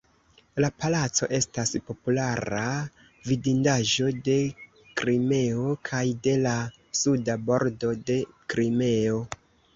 La palaco estas populara vidindaĵo de Krimeo kaj de la Suda Bordo de Krimeo.